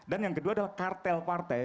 dan yang kedua adalah kartel partai